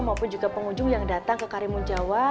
maupun juga pengunjung yang datang ke karimun jawa